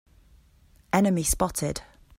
Enemy spotted!